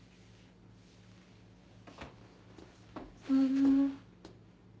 あの。